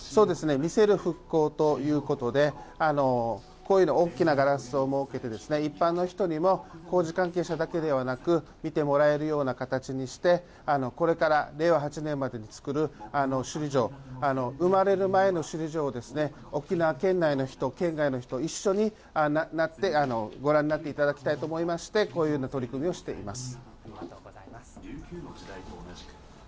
見せる復興ということで、こういうの、大きなガラスを設けて、一般の人には工事関係者だけではなく、見てもらえるような形にして、これから令和８年までに造る首里城、生まれる前の首里城を、沖縄県内の人、県外の人、一緒になって、ご覧になっていただきたいと思いまして、こういうような取り組みをしています。